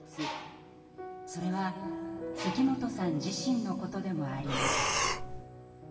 それは関本さん自身のことでもあります。